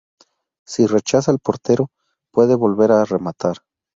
Si rechaza el portero, puede volver a rematar.